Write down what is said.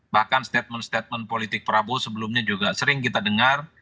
bahkan statement statement politik prabowo sebelumnya juga sering kita dengar